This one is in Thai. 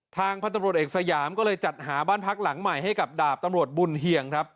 พันธุ์ตำรวจเอกสยามก็เลยจัดหาบ้านพักหลังใหม่ให้กับดาบตำรวจบุญเฮียงครับ